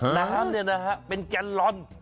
น้ำเนี่ยนะฮะเป็นแกนลอน